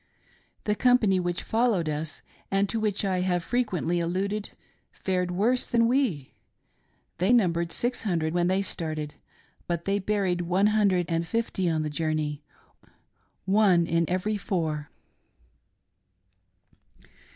The company which followed us, and to which I have frequently alluded, fared worse than we. They num bered six hundred when they started, but they buried one hundred and fifty on the journey — one in every four.